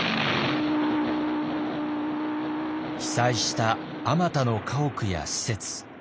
被災したあまたの家屋や施設。